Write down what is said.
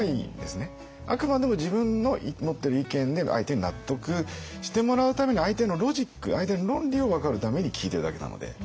あくまでも自分の持ってる意見で相手に納得してもらうために相手のロジック相手の論理を分かるために聞いてるだけなので。